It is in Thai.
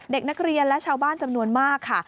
เด็กนักเรียนและชาวบ้านจำนวนมากค่ะ